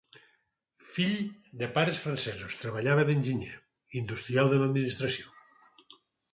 Fill de pares francesos treballava d'enginyer industrial de l'administració.